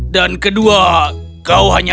dan kedua kau hanya percaya